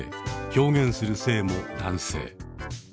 表現する性も男性。